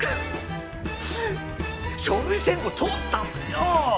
書類選考通ったんだよ！